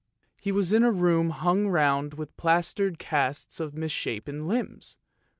He was in a room hung round with plaster casts of misshapen limbs !